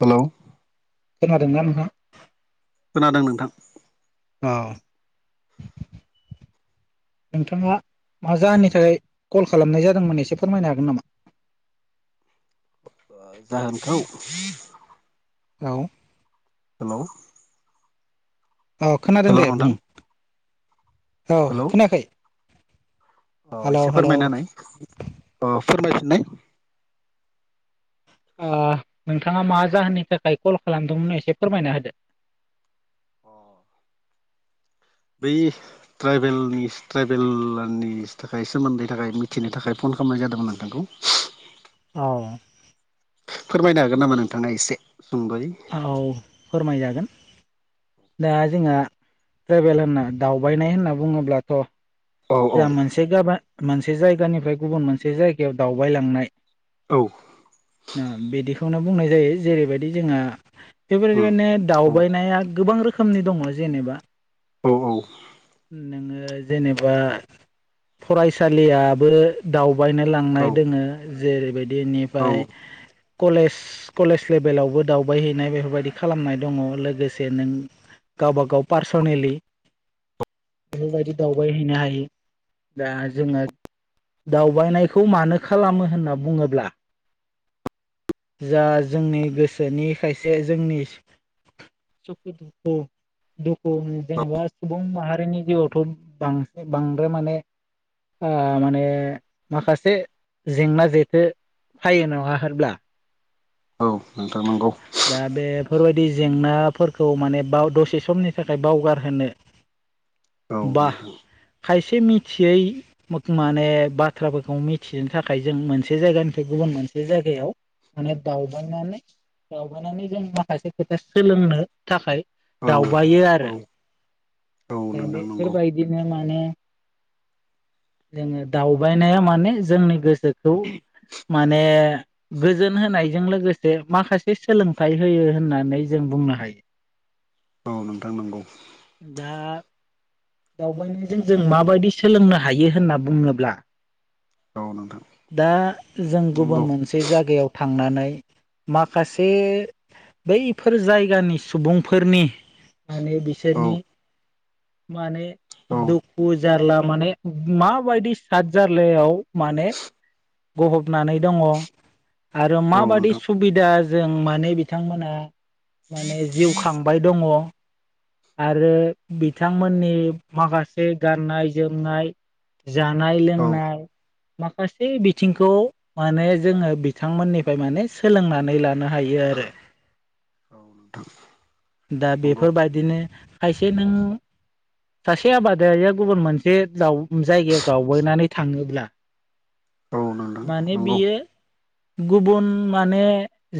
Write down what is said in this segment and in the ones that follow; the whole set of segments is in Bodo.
हेलौ खोनादोंना नोंथां खोनादों नोंथां औ नोंथाङा मा जाहोननि थाखाय कल खालामनाय जादोंमोन एसे फोरमायनो हागोन नामा [inaudible] जाहोनखौ औ हेलौ अ खोनादों हेलौ दे नोंथां बुं औ हेलौ खोनाखै अ एसे फोरमायना होनाय फोरमायफिननाय ओ नोंथाङा मा जाहोननि थाखाय कल खालामदोंमोन एसे फोरमायना होदो। अ बै ट्राइबेलनि ट्राइबेलनि थाखाय सोमोन्दैनि थाखाय मिथिनो थाखाय फन खालामनाय जादोंमोन नोंथांखौ। औ फोरमायनो हागोन नामा नोंथाङा एसे? सुंद'यै औ फोरमायजागोन। दा जोंहा ट्राइबेल होनना दावबायनाय होनना बुङोब्लाथ' औ औ जोंहा मोनसे गाबा मोनसे जायगानिफ्राय गुबुन मोनसे जायगायाव दावबायलांनाय औ बिदिखौनो बुंनाय जायो जेरैबायदि जोंहा उम बेबायदिबायनो औ दावबायनाया गोबां रोखोमनि दङ जेनेबा। औ औ ओ जेनेबा फरायसालियाबो दावबायनो लांनाय औ दोङो जेरैबायदि औ नेबाय कलेज कलेज लेभेलावबो दावबायहैनाय बेफोरबायदि खालामनाय दङ लोगोसे नों गावबा गाव पार्स'नेलि बेफोरबायदि दावबायहैनो हायो। दा जोङो दावबायनायखौ मानो खालामो होनना बुङोब्ला जा जोंनि गोसोनि खायसे जोंनि सखु‌‌ दुखु दुखु जेनेबा सुबुं माहारिनि जिउआवथ' बांसिन बांद्राय माने ओ माने माखासे जेंना जेथो थायो नङा होमब्ला? औ नोंथां नंगौ। बेफोरबायदि जेंनाफोरखौ माने बा दसे समनि थाखाय बावगारहोनो औ नोंथां एसे मिथियै माने बाथ्राफोरखौ मिथिनो थाखाय जों मोनसे जायगानिफ्राय गुबुन मोनसे मोनसे जायगायाव माने दावबायनानै दावबायनानै जों माखासे खोथा सोलोंनो थाखाय औ दावबायो औ आरो। औ दे नोंथां नंगौ बेेफोरबायदिनो माने जोङो दावबायनाया माने जोंनि गोसोखौ माने गोजोन होनायजों लोगोसे माखासे सोलोंथाइ होयो होननानै जों बुंनो हायो। औ नोंथां नंगौ। दा दावबायनायजों जों माबायदि सोलोंनो हायो होनना बुङोब्ला औ नोंथां दा जों गुबुन नंगौ मोनसे जायगायाव थांनानै माखासे बैफोर जायगानि सुबुंफोरनि माने औ बिसोरनि [inaudible] माने औ दुखु जारला माने माबायदि साद जार्लायाव माने गहबनानै दङ आरो औ माबादि नोंथां सुबिदाजों माने बिथांमोनहा माने जिउ खांबाय दङ। आरो बिथांमोननि माखासे गाननाय जोमनाय जानाय औ लोंनाय माखासे बिथिंखौ माने जोङो बिथांमोननिफ्राय माने सोलोंनानै लानो हायो आरो। औ नोंथां। दा नंगौ बेफोरबायदिनो खायसे नों सासे आबादारिया गुबुन मोनसे द जायगायाव दावबायनानै थाङोब्ला औ नोंथां माने नंगौ बियो गुबुन माने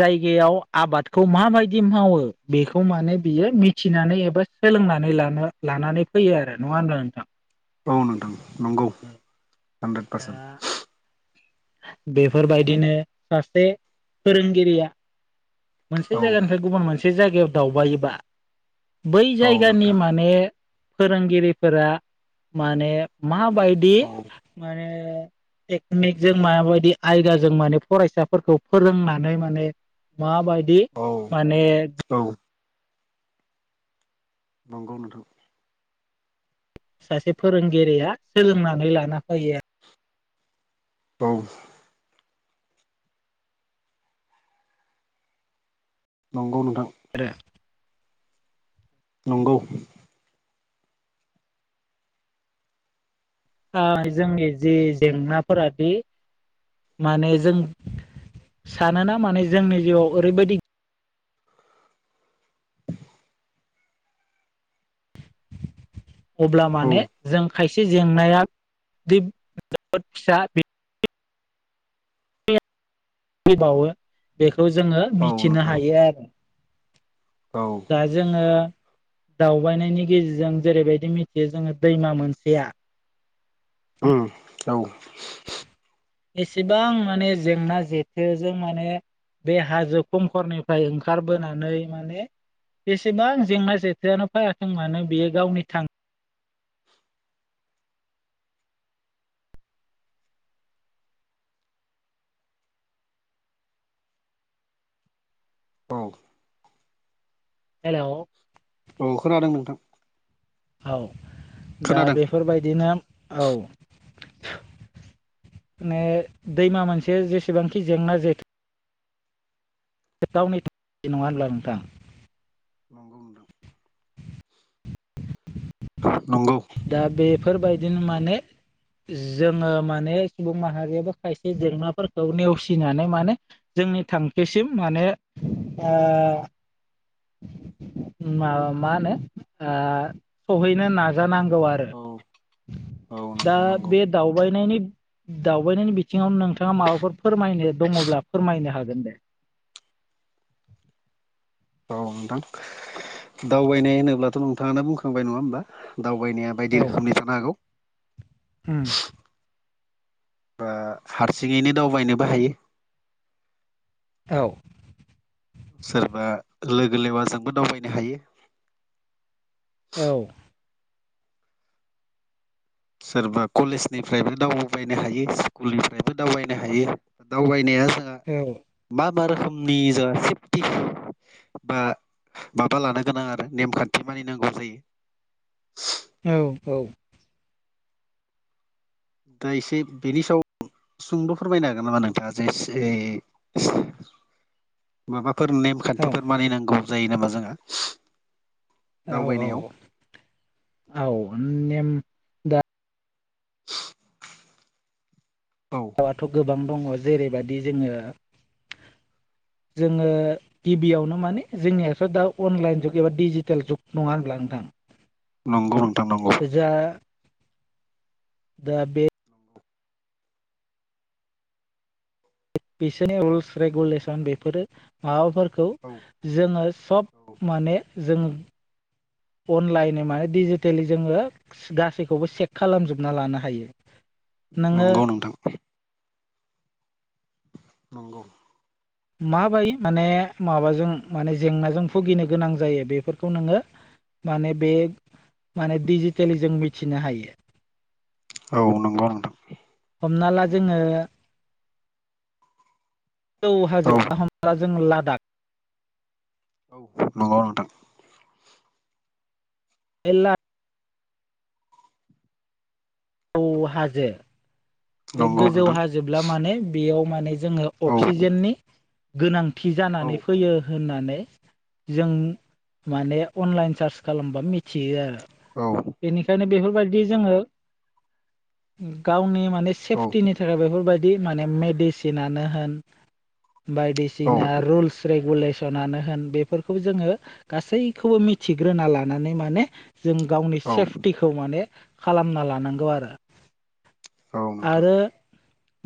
जायगायाव आबादखौ माबायदि मावो बेखौ माव माने बियो मिथिनानै एबा सोलोंनानै लानो लानानै फैयो आरो नङा होनबा नोंथां? औ नोंथां नंगौ हानद्रेद दा पारसेन्ट। बेफोरबायदिनो सासे फोरोंगिरिया औ मोनसे जायगानिफ्राय गुबुन मोनसे जायगायाव दावबायोबा बै औ जायगानि नोंथां माने फोरोंगिरिफोरा माने मा बायदि औ माने टेकनिकजों माबायदि आयदाजों माने फरायसाफोरखौ फोरोंनानै माने माबायदि औ माने औ नंगौ नोंथां सासे फोरोंगिरिया सोलोंनानै लाना फैयो आरो। औ नंगौ नोंथां आरो नंगौ जोंनि जि जेंनाफोरा बि माने जों सानोना माने जोंनि जिउआव ओरैबायदि अब्ला औ माने जों खायसे जेंनाया जोबोद फिसा फैबावो बेखौ जोङो औ मिथिनो नोंथां हायो आरो। औ दा जोङो दावबायनायनि गेजेरजों जेरैबायदि मिथियो जोङो दैमा मोनसेया उम औ एसेबां माने जेंना जेथोजों माने बे हाजो खमखरनिफ्राय ओंखारबोनानै माने बेसेबां जेंना जेंथायआनो फैयाथों मानो बेयो गावनि थां औ हेलौ अ खोनादों नोंथां औ दा खोनादों बेफोरबायदिनो औ माने दैमा मोनसे जेसेबांखि जेंना जेथो गावनि थाखाय नङा होनब्ला नोंथां? नंगौ नोंथां नंगौ दा बेफोरबायदिनो माने जोङो माने सुबुं माहारियाबो खायसे जेंनाफोरखौ नेवसिनानै माने जों जोंनि थांखिसिम माने ओ मा मा होनो सहैनो नाजानांगौ। बाला औ आरो औ दा नोंथां नंगौ बे दावबायनायनि दावबायनायनि बिथिङाव नोंथाङा माबाफोर फोरमायनो दङब्ला फोरमायनो हागोन। [unintelligible] औ नोंथां दावबायनाय होनोब्लाथ' नोंथाङानो बुंखांबाय नङा होमबा? दावबायनाया बायदि औ रोखोमनि थानो हागौ। उम बा हारसिङैनो दावबायनोबो हायो। औ सोरबा लोगो लेवाजोंबो दावबायनो हायो। औ सोरबा कलेजनिफ्रायबो दावबायबायनो हायो स्कुलनिफ्रायबो दावबायनो हायो दावबायनाया जोंहा औ मा मा रोखोमनि जोंहा सेफटि बा माबा लानो गोनां आरो नेमखान्थि मानिनांगौ जायो। औ औ दा एसे बेनि सायाव सुंद' फोरमायनो हागोन नामा नोंथाङा जे ओइ माबा फोर नेमखान्थिफोर मानिनांगौ जायो नामा जोंहा? औ औ दावबायनायाव औ नेम दा औ रावथ' गोबां दङ जेरैबायदि जोङो जोङो गिबियावनो माने जोंनियाथ' दा अनलाइन जुग एबा डिजिटेल जुग नङा होनब्ला नोंथां? नंगौ नंगौ। बे जा दा बे बिसोरनि रुल्स रेगुलेसन बेफोरो माबाफोर खौ औ जोङो सब औ माने जों अनलाइन माने डिजिटेलि जोङो गासैखौबो चेक खालामजोबना लानो हायो। नोङो नंगौ नोंथां। नंगौ माबाय माने माबाजों माने जेंनाजों भुगिनो गोनां जायो बेफोरखौ नोङो माने बे माने डिजिटेलि जों मिथिनो हायो। औ नंगौ नोंथां। हमना ला जोङो गोजौ औ [unintelligible] जों लादाख औ नंगौ नोंथां। एला गोजौ हाजो बे नंगौ गोजौ नोंथां हाजोब्ला माने बेयाव माने जोङो औ अक्सिजेननि गोनांथि औ जानानै फैयो। होननानै जों माने अनलाइन सार्च खालामबा मिथियो आरो। औ बेनिखायनो बेफोरबायदि जोङो गावनि मा औ सेफटिनि थाखाय बेफोरबायदि माने मेडिसिनानो होन औ बायदिसिना रुल्स रेगुले सनानो होन बेफोरखौ जोङो गासैखौबो मिथिग्रोना लानानै माने जों गावनि औ सेफटिखौ माने खालामना लानांगौ आरो। नोंथां आरो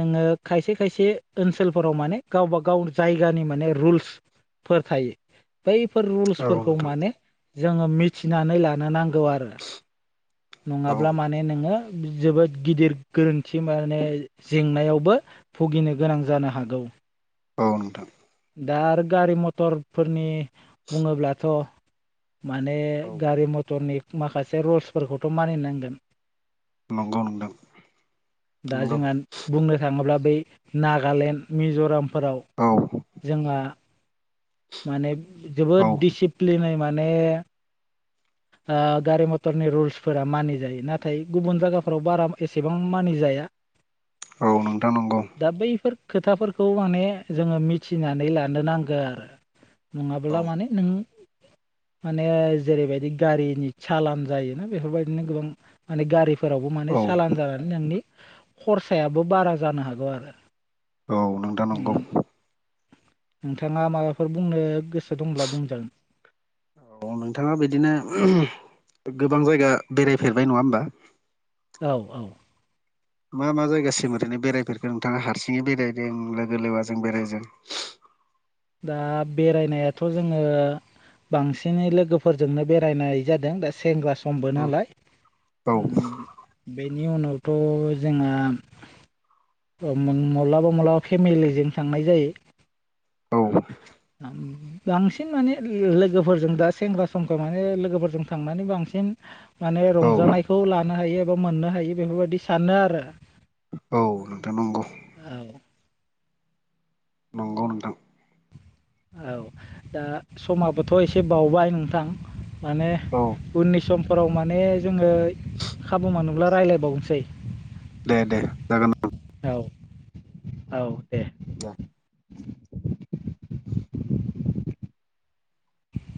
नोङो खायसे खायसे ओनसोलफोराव माने गावबा गाव जायगानि माने रुल्स फोर थायो। बैफोर औ रुल्सफोरखौ नोंथां माने जोङो मिथिनानै लानो नांगौ आरो। औ नङाब्ला माने नोङो जोबोद गिदिर गोरोन्थि माने जेंनायावबो भुगिनो गोनां जानो हागौ। औ नोंथां दा आरो गारि मथरफोरनि बुङोब्लाथ' माने औ गारि मथरनि माखासे रुल्सफोरखौथ' मानिनांगोन। नंगौ नोंथां दा नंगौ जोंहा बुंनो थाङोब्ला बै नागालेण्ड, मिज'राम, औ जोंहा माने औ जोबोद दिसिप्लिनै माने ओ गारि मथरनि रुल्सफोरा मानि जायो नाथाय गुबुन जागाफोराव बारा एसेबां मानि जा जाया औ नोंथां नंगौ। खोथाफोरखौ माने जोङो मिथिनानै लानो नांगौ आरो। औ नङाब्ला माने नों माने जेरैबायदि गारिनि सालान जायोना बेफोरबायदिनो गोबां माने गारिफोरावबो माने औ सालान जानानै नोंनि खरसायाबो बारा जानो हागौ आरो। औ नोंथां उम नंगौ। नोंथाङा माबाफोर बुंनो गोसो दंब्ला बुंजागोन। औ नोंथाङा बिदिनो गोबां जायगा बेरायफेरबाय नङा होनबा? औ औ मा मा जायगासिम ओरैनो बेरायफेरफोरखो नोंथाङा हारसिङै बेरायदों लोगो लेवाजों बेरायदों? [inaudible] दा बेरायनायाथ' जोङो बांसिनै लोगोफोरजोंनो बेरायनाय जादों दा सेंग्रा समबो नालाय उम औ बे बेनि उनावथ' जोंहा माब्लाबा माब्लाबा फेमिलिजों थांनाय जायो। [inaudible] बांसिन माने लोगोफोरजों दा सेंग्रा समखाय माने लोगोफोरजों थांनानै बांसिन माने औ रंजानायखौ लानो हायो एबा मोननो हायो बेफोरबायदि सानो आरो। औ नोंथां नंगौ। औ नंगौ नोंथां औ दा समाबोथ' एसे बावबाय नोंथां। माने औ उननि सम समफोराव माने जोङो खाबु मोनोब्ला रायज्लायबावनोसै। दे दे जागोन औ औ औ दे। द [inaudible]